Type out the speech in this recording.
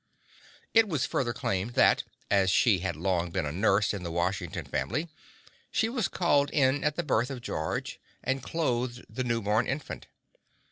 It was further claimed that as she had long been a nurse in the Washington family she was called in at the birth of George and clothed the new born infant.